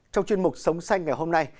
trong chuyên mục sống xanh ngày hôm nay